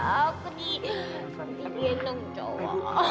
aku di di genong cowok